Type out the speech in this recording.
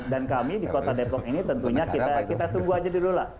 kami di kota depok ini tentunya kita tunggu aja dulu lah